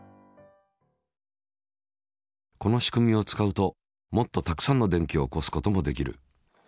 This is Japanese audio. この仕組みを使うともっとたくさんの電気を起こすこともできる。